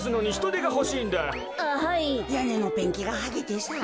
やねのペンキがはげてさぁ。